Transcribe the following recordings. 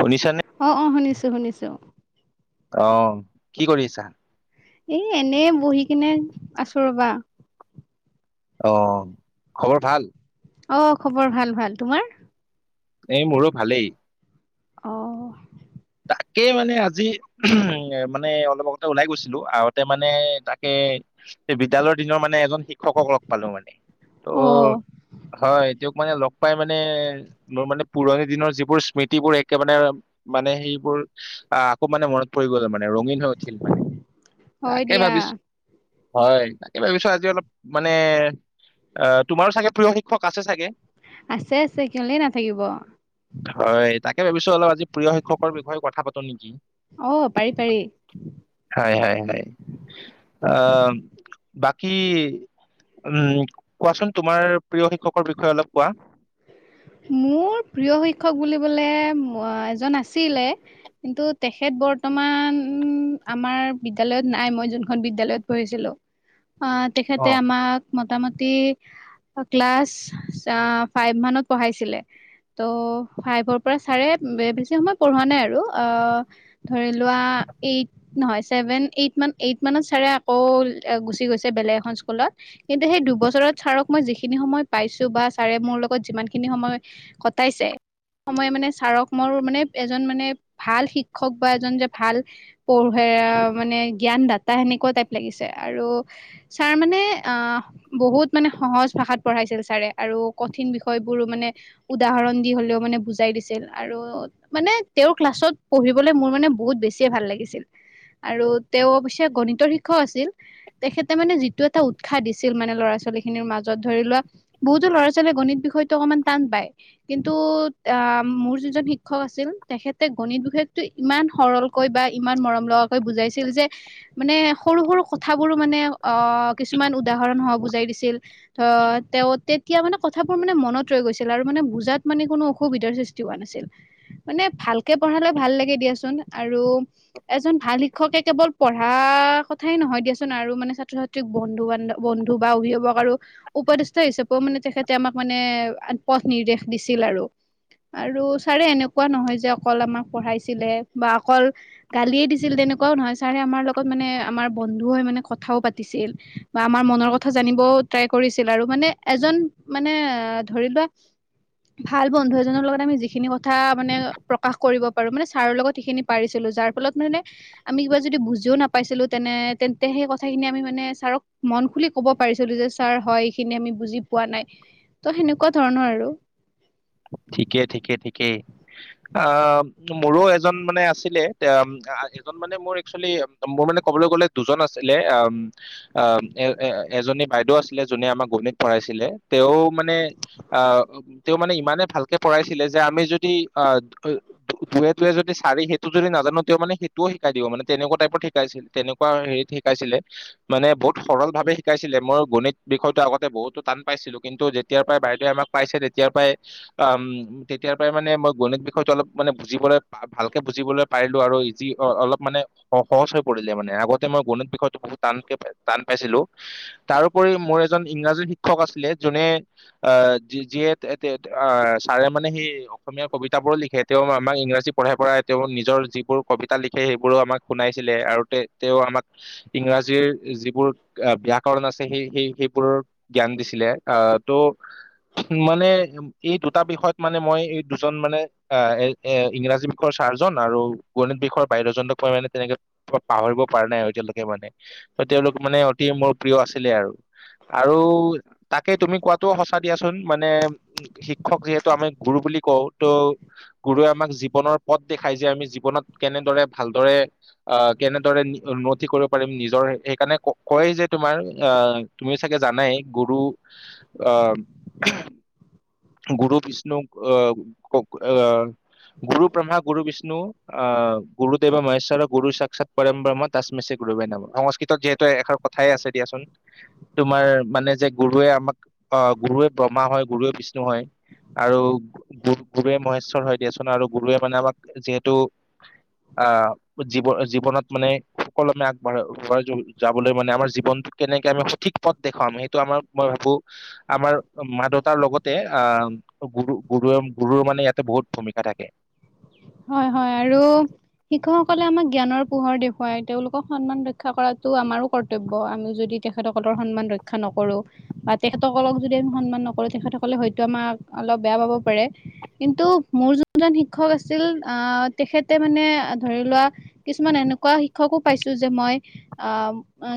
শুনিছানে? অ', অ' শুনিছো-শুনিছো। অ' কি কৰিছা? এ, এনে বহি কিনে আছোঁ ৰবা। অ' খবৰ ভাল? অ' খবৰ ভাল-ভাল, তোমাৰ? এই মোৰো ভালেই। অ'। তাকে মানে আজি উমঃ মানে অলপ আগতে ওলাই গৈছিলো আগতে মানে। তাকে। এই বিদ্যালয়ৰ দিনৰ মানে এজন। শিক্ষকক লগ পালো মানে। ত' অ হয় তেওঁক মানে লগ। লগপাই মানে মোৰ মানে পুৰণি দিনৰ যিবোৰ স্মৃতিবোৰ একেবাৰে মানে সেই। কাপোৰ আকৌ মানে মনত পৰি গ'লে মানে। ৰঙীন হৈ উঠিল মানে। হয় তাকে দিয়া ভাবিছো। হয়। তাকে ভাবিছো আজি অলপ মানে অ তোমাৰো চাগে প্ৰিয় শিক্ষক আছে চাগে। আছে, আছে কিয়লে নাথাকিব। তাকেই ভাবিছো অলপ আজি প্ৰিয় শিক্ষক। দুখৰ বিষয়ে কথা পাতো নেকি। অ পাৰি পাৰি হই, হই, হই আ, আ। বাকী। উম কোৱাচোন তোমাৰ। প্ৰিয় শিক্ষকৰ বিষয়ে অলপ কোৱা। মোৰ প্ৰিয় শিক্ষক বুলিবলে,,, এজন আছিলে। কিন্তু তেখেত বৰ্তমান আমাৰ বিদ্যালয়ত নাই মই যোনখন বিদ্যালয়ত পঢ়িছিলোঁ। অ', তেখেতে আমাক। মোটামটি ক্লাছ,, ফাইভ মানত। পঢ়াইছিলে। ত' ফাইভৰ পৰা ছাৰে বেছি সময় পঢ়োৱা নাই আৰু। অ' ধৰি লোৱা এইত নহয় চেভেন এইট মানত ছাৰে আকৌ গুচি গৈছে বেলেগ এখন স্কুলত কিন্তু সেই দুবছৰত ছাৰক মই যিখিনি সময় পাইছো বা ছাৰে মোৰ লগত যিমান খিনি। এই খিনি সময় কটাইছে। সময় মানে ছাৰক মোৰ মানে এজন মানে ভাল শিক্ষক বা এজন যে ভাল। পঢ়োৱা মানে জ্ঞান দাতা। তাই সেনেকুৱা টাইপ লাগিছে। আৰু ছাৰ মানে আহ বহুত মানে সহজ ভাষাত পঢ়াইছিল ছাৰে। আৰু কঠিন বিষয় বোৰ তাই। গুৰু মানে উদাহৰণ দি হ'লেও মানে বুজাই দিছিল। আৰু মানে তেওঁৰ ক্লাছত পঢ়িবলে মোৰ মানে বহুত বেছিয়ে ভাল লাগিছিল। আৰু তেওঁ অৱশ্যে গণিতৰ শিক্ষক আছিল। তেখেতে মানে যিটো এটা উৎসাহ দিছিল মানে ল'ৰা ছোৱালী খিনিৰ মাজত ধৰি লোৱা বহুতো ল'ৰা ছোৱালীয়ে গণিত বিষয়ত। গণিত টো অকমান টান পায়। কিন্তু আহ মোৰ যিজন শিক্ষক আছিল তেখেতে গণিত বিষয়তটো ইমান সৰলকৈ বা ইমান মৰম লগাকৈ বুজাইছিল যে মানে সৰু সৰু কথাবোৰো মানে গণিততো। অ', কিছুমান উদাহৰণ সহ বুজাই দিছিল। অ', তেওঁ, তে। এতিয়া মানে কথাবোৰ মানে মনত কি। ৰৈ গৈছিল। আৰু মানে বুজাত মানে কোনো অসুবিধাৰ সৃষ্টি হোৱা নাছিল। মানে ভালকে পঢ়ালে ভাল লাগে দিয়াচোন। আৰু এজন ভাল শিক্ষকে কেৱল পঢ়া কথাই নহয় দিয়াচোন আৰু মানে ছাত্ৰ ছাত্ৰীক বন্ধু বান্ধব বন্ধু বা অভিভাৱক আৰু উপদেষ্টা হিচাপেও মানে তেখেতে আমাক মানে। আদ পথ নিৰ্দেশ দিছিল আৰু। আৰু ছাৰে এনেকুৱা নহয় যে অকল আমাক পঢ়াইছিলে বা অকল গালিয়ে দিছিল তেনেকুৱাও নহয় ছাৰে আমাৰ লগত মানে আমাৰ বন্ধু হৈ মানে কথাও পাতিছিল। আৰু বা আমাৰ মনৰ কথা জানিবও ট্ৰাই কৰিছে। থাকিল। মানে এজন মানে এ,,,,। ধৰি লোৱা,, ভাল বন্ধু এজনৰ লগত আমি যিখিনি কথা মানে প্ৰকাশ কৰিব পাৰো মানে ছাৰৰ লগত সেইখিনি পাৰিছিলো। যাৰ ফলত মানে আমি যদি কিবা বুজিও নাপাইছিলো তেনে তেন্তে সেই কথাখিনি আমি মানে ছাৰক মন খুলি কব পাৰিছিলো। যে ছাৰ হয় এইখিনি আমি বুজি পোৱা নাই। ত সেনেকুৱা ধৰণৰ আৰু। ঠিকে ঠিকে ঠিকে আহ মোৰো এজন মানে আছিলে। এজন মানে মোৰ একচেলি মোৰ মানে কবলৈ গলে দুজন আছিলে আহ আহ এ এজনী বাইদেউ আছিলে যোনে আমাক গণিত পঢ়াইছিলে তেওঁ মানে আহ তেওঁ মানে। মানে ভালকে পঢ়াইছিলে। যে আমি যদি আহ দুয়ে, দুয়ে যদি চাৰি সেইটো যদি নাজানো তেওঁ মানে সেইটোও শিকাই দিব মানে। তেনেকুৱা টাইপত শিকাইছিল। তেনেকুৱা হেৰিত শিকাইছিলে মানে। বহুত সৰল ভাৱে শিকাইছিলে মই গণিত বিষয়টো আগতে বহুতো টান পাইছিলো। কিন্তু যেতিয়াৰ পৰাই বাইদৈ আমাক পাইছে তেতিয়াৰ পৰাই। উম,, তেতিয়াৰ পৰাই মানে মই গণিত বিষয়টো অলপ মানে বুজিবলৈ। অহ, ভালকে বুজিবলৈ পাই। এইটো আৰু ইজি অলপ মানে সহজ হৈ পৰিলে মানে। আগতে মই গণিত বিষয়তো বহুত টানকে টান পাইছিলো তাৰোপৰি মোৰ এজন ইংৰাজী শিক্ষক আছিলে যোনে আহ যিয়ে। তে আ ছাৰে মানে সেই অসমীয়া কবিতাবোৰো লিখে তেওঁ আমাক ইংৰাজী পঢ়াই-পঢ়াই তেওঁ নিজৰ যিবোৰ কবিতা লিখে সেইবোৰো আমাক শুনাইছিলে আৰু তে তেওঁ আমাক ইংৰাজীৰ যিবোৰ বিয়াকৰণ আছে সেই-সেই সেইবোৰৰ জ্ঞান দিছিলে আ ত' মানে এই দুটা বিষয়ত মানে মই এই দুজন মানে আ এ- এ ইংৰাজী বিষৰ চাৰজন আৰু গণিত বিষৰ বাই দজনক মই মানে তেনেকে পাহৰিব পাৰা নাই আৰু এতিয়ালকে মানে। ত তেওঁলোক মানে অতি মোৰ প্ৰিয় আছিলে আৰু, আৰু তাকে তুমি কোৱাটোও সঁচা দিয়াচোন মানে শিক্ষক যিহেতু আমি গুৰু বুলি কওঁ ত গুৰুৱে আমাক জীৱনৰ পথ দেখাই যে আমি জীৱনত কেনেদৰে ভালদৰে আ কেনেদৰে উন্নতি কৰিব পাৰিম নিজৰ সেইকাৰণে কয় যে তোমাৰ আ তুমি চাগে জানাই গুৰু আ গুৰু বিষ্ণুক আ [unintelligible] আ গুৰু ব্ৰহ্মা গুৰু বিষ্ণু বিষ্ণু আহ গুৰুদেৱে মহেশ্বৰ গুৰু সাকৎ পম ব্ৰহ্ম তাচমেছে গুৰুৱে নাম সংস্কৃতত যিহেতু এষাৰ কথাই আছে দিয়াচোন তোমাৰ মানে যে গুৰুৱে আমাক অ গুৰুৱে ব্ৰহ্মা হয় গুৰুৱে বিষ্ বিষ্ণু হয় আৰু গুৰু গুৰুৱে মহেশ্বৰ হয় দিয়া চোন আৰু গুৰুৱে মানে আমাক যিহেতু আহ জীৱ জীৱনত মানে সুকলমে আগবাঢ় যাবলৈ মানে আমাৰ জীৱনটোক কেনেকে আমি সঠিক পথ দেখুৱাম সেইটো আমাৰ মই ভাবো আমাৰ মা দেউতাৰ লগত তে আহ গুৰু-গুৰু গুৰুৰ মানে ইয়াতে বহুত ভূমিকা থাকে'। হয় হয় আৰু শিক্ষকসকলে আমাক জ্ঞানৰ পোহৰ দেখুৱাই তেওঁলোকক সন্মান ৰক্ষা কৰাতো আমাৰো কৰ্তব্য আমি যদি তেখেতসকলৰ সন্মান ৰক্ষা নকৰো বা তেখেতসকলক যদি আমি সন্মান নকৰো তেখেতসকলে হয়তো আমাক অলপ বেয়া পাব পাৰে কিন্তু মোৰ যোনজন শিক্ষক আছ আছিল আহ তেখেতে মানে ধৰি লোৱা কিছুমান এনেকুৱা শিক্ষকো পাইছো যে মই আহ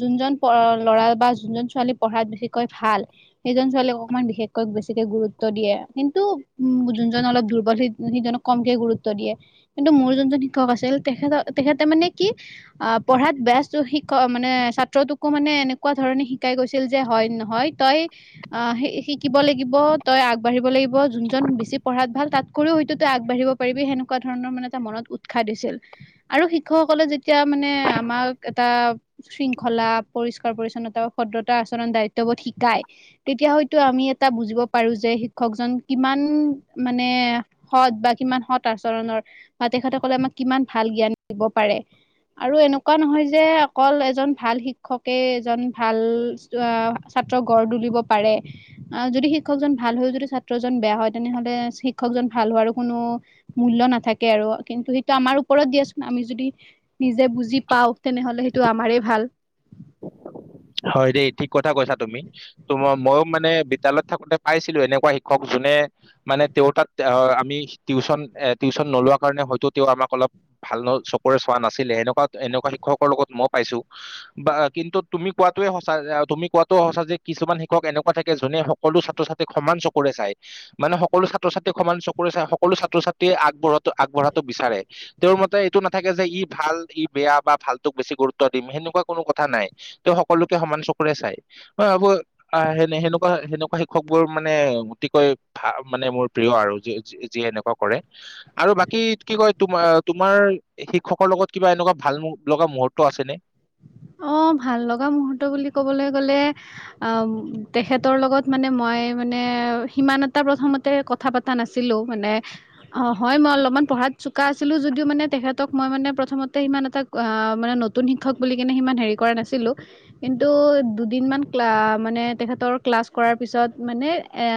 যোনজন প ল'ৰা বা যোনজন ছোৱালী পঢ়াত বিশেষকৈ ভাল সেইজন ছোৱালীক অকমান বিশেষকৈ বেছিকে গুৰুত্ব দিয়ে কিন্তু উম যোনজন অলপ দুৰ্বল সেই সিজনক কমকে গুৰুত্ গুৰুত্ব দিয়ে কিন্তু মোৰ যোনজন শিক্ষক আছিল তেখেত তেখেতে মানে কি আহ পঢ়াত বস্ত শিক্ষক মানে ছাত্ৰটোকো মানে এনেকুৱা ধৰণে শিকাই গৈছিল যে হয় নহয় তই আহ শিকিব লাগিব তই আগবাঢ়িব লাগিব যোনজন বেছি পঢ়াত ভাল। তাতকৈও হয়তো আগবাঢ়িব পাৰিবি সেনেকুৱা ধৰণৰ মানে এটা মনত উৎসাহ দিছিল আৰু শিক্ষকসকলে যেতিয়া মানে আমাক এটা শৃংখলা পৰিষ্কাৰ পৰিচ্ছন্নতাও ভদ্ৰতা আচৰণ দায়িত্ববোধ শিকাই তেতিয়া হয়তো আমি এটা বুজিব পাৰো যে শিক্ষকজন কিমান মানে সৎ বা কিমান সৎ আচৰণৰ বা তেখতেসকলে আমাক কিমান ভাল জ্ঞান দিব পাৰে আৰু এনেকুৱা নহয় যে অকল এজন ভাল শিক্ষকে এজন ভাল আহ ছাত্ৰক গঢ় তুলিব পাৰে আহ যদি শিক্ষকজন ভাল হৈও যদি ছাত্ৰজন বেয়া হয় তেনেহলে শিক্ষকজন ভাল হোৱাৰো কোনো'। মূল্য নাথাকে আৰু কিন্তু সেইটো আমাৰ ওপৰত দিয়াচোন আমি যদি'। নিজে বুজি পাওঁ তেনেহ'লে সেইটো আমাৰেই ভাল। হয় দেই ঠিক কথা কৈছা তুমি ত মইও মানে বিদ্যালয়ত থাকোঁতে পাইছিলো এনেকুৱা শিক্ষক যোনে মানে তেওঁৰ তাত আমি টিউশন এ টিউশচন নলোৱা কাৰণে হয়তো তেওঁ আমাক অলপ ভাল চকুৰে চোৱা নাছিলে সেনেকুৱা এনেকুৱা শিক্ষকৰ লগত মই পাইছো বা কিন্তু তুমি কোৱাটোৱে সঁচা তুমি কোৱাতো সঁচা যে কিছুমান শিক্ষক এনেকুৱা থাকে যোনে সকলো ছাত্ৰ ছাত্ৰীক সমান চকুৰে চাই মানে সকলো ছাত্ৰ ছাত্ৰীক সমান চকুৰে চাই সকলো ছাত্ৰ ছাত্ৰ আগবঢ়োৱা আগবঢ়াটো বিচাৰে তেওঁৰ মতে এইটো নাথাকে যে ই ভাল ই বেয়া বা ভালটোক বেছি গুৰুত্ব দিম সেনেকুৱা কোনো কথা নাই তেওঁ সকলোকে সমান চকুৰে চাই মই ভাবো আহেনে সেনেকুৱা সেনেকুৱা শিক্ষক বোৰ মানে অতিকৈ ভাল মানে মোৰ প্ৰিয় আৰু যিয়ে এনেকুৱা কৰে আৰু বাকী কি কয় তোম তোমাৰ শিক্ষকৰ লগত কিবা এনেকুৱা ভাল লগা মুহুৰ্ত আছেনে'। অ ভাল লগা মূহুৰ্ত বুলি কবলৈ গলে অ তেখেতৰ লগত মানে মই মানে সিমান এটা প্ৰথমতে কথা পতা নাছিলো মানে অ হয় মই অলপমান পঢ়াত চোকা আছিলো যদিও মানে তেখেতক মই মানে প্ৰথমতে সিমান এটা মানে নতুন শিক্ষক বুলি নে সিমান হেৰি কৰা নাছিলো কিন্তু দুদিনান ক্লা মানে তেখেতৰ ক্লাছ কৰাৰ পিছত মানে এ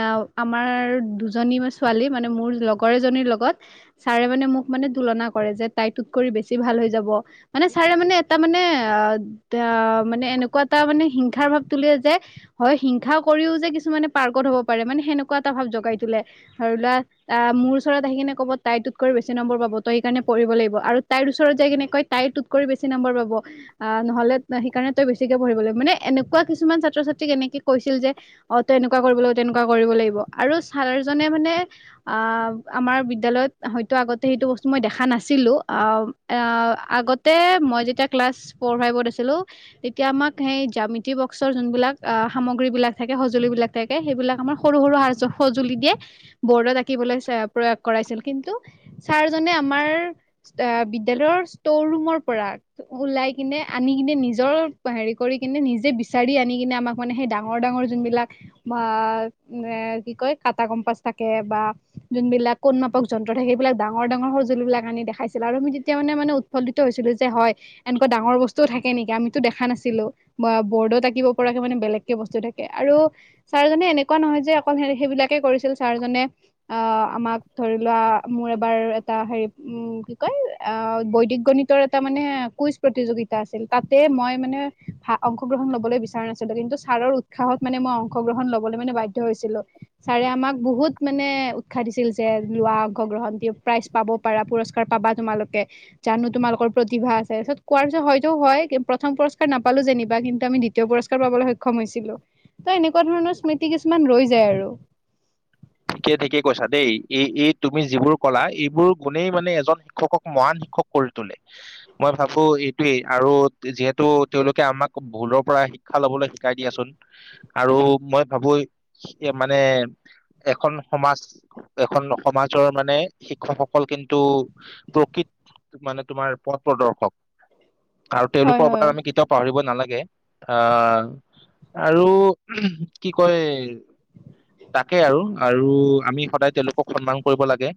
আমাৰ দুজনী ছোৱালী মানে মোৰ লগৰ এজনীৰ লগত ছাৰে মানে মোক মানে তুলনা কৰে যে তাই তোত কৰি বেছি ভাল হৈ যাব মানে ছাৰে মানে এটা মানে,। আহ আহ মানে এনেকুৱা এটা মানে হিংসাৰ ভাৱ তোলে যে হয় হিংসা কৰিও যে কিছুমানে পাৰ্কত হব পাৰে মানে সেনেকুৱা এটা ভাৱ জগাই তোলে ধৰি লোৱা আহ মোৰ ওচৰত আহি কিনে কব তাই তোত কৰি বেছি নম্বৰ পাব তই সেইকাৰণে পঢ়িব লাগিব আৰু তাইৰ ওচৰত যাই কিনে কয় তাই তোত কৰি বেছি নম্বৰ পাব আহ নহলে সেইকাৰণে তই বেছিকে পঢ়িব লাগিব মানে এনেকুৱা কিছুমান ছাত্ৰ ছাত্ৰীক এনেকে কৈছিল যে অ তই এনেকুৱা কৰিব লাগিব তেনেকুৱা কৰিব লাগিব আৰু ছাৰজনে মানে অ আমাৰ বিদ্যালয়ত হয়তো আগতে সেইটো বস্তু মই দেখা নাছিলো আহ আগতে মই যেতিয়া ক্লাছ ফ'ৰ ফাইভ আছিলো তেতিয়া আমাক সেই জ্যামিতি বক্সৰ যোনবিলাক সামগ্ৰী বিলাক থাকে সঁজুলি বিলাক থাকে সেইবিলাক আমাৰ সৰু সৰু স সজুলি দিয়ে বৰ্ডত আঁকিবলৈ প্ৰয়োগ কৰাইছিল কিন্তু ছাৰজনে আমাৰ বিদ্যালয়ৰ ষ্টৰ ৰুমৰ পৰা ওলাই কিনে আনি কিনে নিজৰ হেৰি কৰি কিনে নিজে বিচাৰি আনি কিনে আমাক মানে সেই ডাঙৰ ডাঙৰ যোনবিলাক বা এ কি কয় কাটা কম্পাচ থাকে বা যোনবিলাক কণ মাপক যন্ত্ৰ থাকে সবিলাক ডাঙৰ ডাঙৰ সঁজুল বিিলাক আনি দেখাইছিলে আৰু আমি তেতিয়া মানে মানে উৎফুল্লিত হৈছিলো যে হয়ন,। ডাঙৰ বস্তুও থাকে নেকি আমিতো দেখা নাছিলো বা বৰ্ড আাকিব পৰাকে মানে বেলেগকে বস্তু থাকে আৰু ছাৰজনে এনেকুৱা নহয় যে অকল সেইবিলাকে কৰিছিল ছাৰজনে আহ আমাক ধৰি লোৱা মোৰ এবাৰ এটা হেৰি উ কি কয় বৈদিক গণিতৰ এটা মানে কুইজ'। প্ৰতিযোগিতা আছিল তাতে মই মানে ভ অংশগ্ৰহণ লবলৈ বিচৰা নাছিলো কিন্তু ছাৰৰ উৎসাহত মানে মই অংশগ্ৰহণ লবলৈ মানে বাধ্য় হৈছিলো ছাৰে আমাক বহুত মানে উৎসাহ দিছিল যে লোৱা অংশগ্ৰহণ দি প্ৰাইজ পাব পাৰা পুৰস্কাৰ পাবা তোমালোকে জানো তোমালোকৰ প্ৰতিভা আছে তাৰিছত,। কোৱাৰ পিছত হয়তও হয় প্ৰথম পুৰস্কাৰ নাপালো যেনিবা কিন্তু আমি দ্বিতীয় পুৰস্কাৰ পাবলৈ সক্ষম হৈছিলো ত এনেকুৱা ধৰণৰ স্মৃতি কিছুমান ৰৈ যায় আৰু,। ঠিকেই ঠিকেই কৈছা দেই এই এই তুমি যিবোৰ কলা এইবোৰ গুণেই মানে এজন শিক্ষকক মহান শিক্ষক কৰি তোলে মই ভাবো এইটোৱেই আৰু যিহেতু তেওঁলোকে আমাক ভুলৰ পৰা শিক্ষা লবলৈ শিকাই দিয়াচোন আৰু মই ভাবো মানে'। এখন সমাজ এখন সমাজৰ মানে শিক্ষকসকল কিন্তু প্ৰকৃত মানে তোমাৰ পথ প্ৰদৰ্শক'। আৰু হয় তেওঁলোকৰ বটাত হয় আমি কেতিয়াও পাহৰিব নালাগে,। অ' আৰু কি কয় ত তাকে আৰু আৰু আমি সদায় তেওঁলোকক সন্মান কৰিব লাগে'।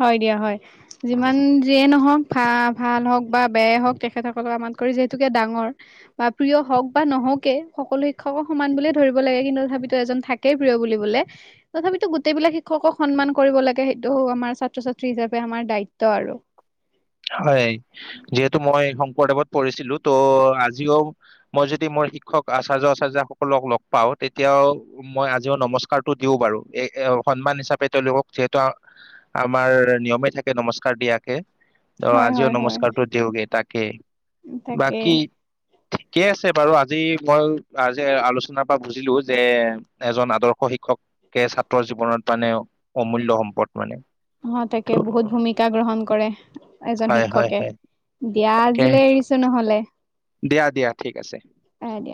হয় দিয়া বা ভাল হওক বা বেয়াই হওঁক তেখেতসকলক আমমান কৰি যিহেতুকে ডাঙৰ বা প্ৰিয় হওক বা নহওকে সকলো শিক্ষকক সমান বুলিয়ে ধৰিব লাগে কিন্তু তথাপিতো এজন থাকেই প্ৰিয় বুলিবোলে তথাপিতো গোটেইবলাক শিক্ষকক সন্মান কৰিব লাগে সেইটো হও আমাৰ,। ছাত্ৰ- ছাত্ৰী হিচাপে আমাৰ দায়িত্ব আৰু'। হয় যিহেতু মই,। দেৱত পঢ়িছিলো ত আজিও মই যদি মোৰ শিক্ষক আচাৰ্য - আচাৰ্য্য সকলক লগ পাওঁ তেতিয়াও মই আজিও নমস্কাৰতটো দিও বাৰু এ সন্মান হিচাপে তেওঁলোকক যিহেতু আমাৰ নিয়মে থাকে নমস্কাৰ দিয়াকে'। অ হয় হয় আজিও হয় নমস্কাৰটো দিওঁগে তাক'। কে,। তাকে,। ঠিকে আছে বাৰু আজি মই আজি আলোচনাৰ পৰা বুজিলো যে এজন আদৰ্শ শিক্ষকে ছাত্ৰৰ জীৱনত মানে অমূল্য় সম্পদ'। মানে অ' তাকে ত' বহুত ভূমিকা গ্ৰহণ কৰে এজন হয় হয় শিক্ষকে হয় দিয়া তাকে আজিলে এৰিছো নহলে, দিয়া দিয়া ঠিক আছে। এ দিয়া।